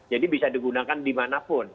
jadi bisa digunakan dimanapun